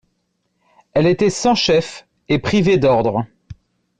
Elle était sans chef et privée d'ordre.